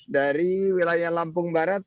dari wilayah lampung barat